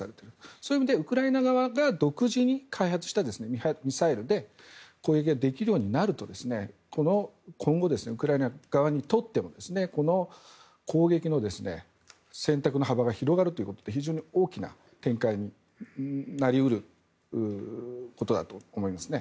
そういう意味でウクライナ側が独自に開発したミサイルで攻撃ができるようになると今後、ウクライナ側にとっても攻撃の選択の幅が広がるということで非常に大きな展開になり得ることだと思いますね。